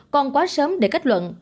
còn quá sớm để kết luận